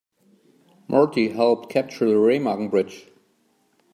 Marty helped capture the Remagen Bridge.